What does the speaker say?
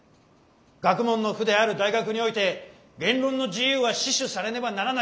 学問の府である大学において言論の自由は死守されねばならないものなんです！